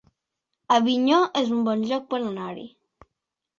Avinyó es un bon lloc per anar-hi